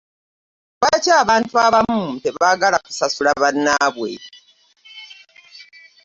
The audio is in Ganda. Lwaki abantu abamu tebaagala kusasula bannaabwe.